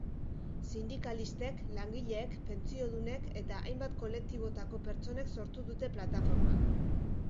Sindikalistek, langileek, pentsiodunek eta hainbat kolektibotako pertsonek sortu dute plataforma.